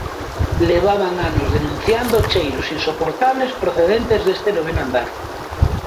Levaban anos denunciando cheiros insoportables procedentes deste noveno andar.